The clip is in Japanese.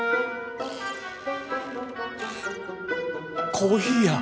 コーヒーや。